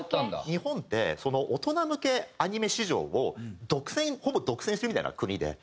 日本って大人向けアニメ市場を独占ほぼ独占してるみたいな国で。